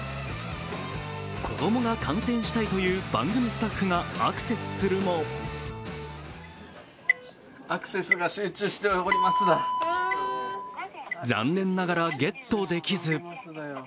子供が観戦したいという番組スタッフがアクセスするも残念ながらゲットできず。